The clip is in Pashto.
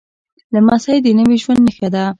لمسی د نوي ژوند نښه ده.